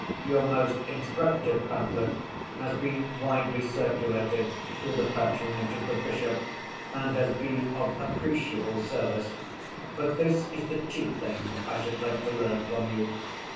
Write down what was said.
Your most instructive pamphlet has been widely circulated through the patronage of the bishop, and has been of appreciable service.... But this is the chief thing I should like to learn from you.